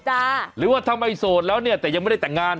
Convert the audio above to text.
หรือว่าถ้าไม่โสดแล้วเนี่ยแต่ยังไม่ได้แต่งงาน